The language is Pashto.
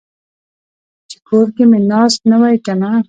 چې کور کې مې ناست نه وای کنه.